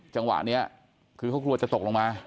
จังหวะนี้คือเขากลัวจะตกลงมา